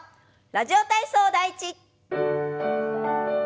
「ラジオ体操第１」。